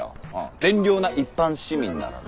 善良な一般市民ならな。